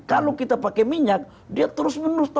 kalau kita pakai minyak dia terus menerus